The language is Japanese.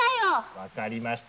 分かりました。